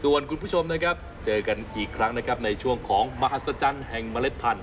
ส่วนคุณผู้ชมนะครับเจอกันอีกครั้งนะครับในช่วงของมหัศจรรย์แห่งเมล็ดพันธ